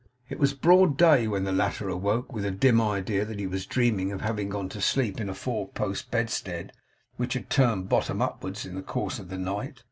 It was broad day when the latter awoke with a dim idea that he was dreaming of having gone to sleep in a four post bedstead which had turned bottom upwards in the course of the night.